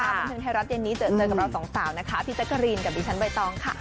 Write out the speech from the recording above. บันเทิงไทยรัฐเย็นนี้เจอเจอกับเราสองสาวนะคะพี่แจ๊กกะรีนกับดิฉันใบตองค่ะ